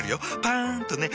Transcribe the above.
パン！とね。